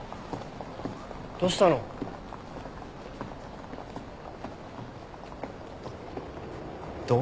どうしたの。怒？